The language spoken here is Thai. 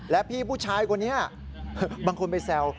และพี่ผู้ชายคนนี้บางคนไปแซว